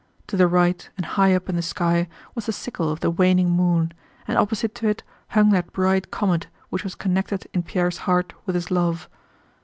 To the right and high up in the sky was the sickle of the waning moon and opposite to it hung that bright comet which was connected in Pierre's heart with his love.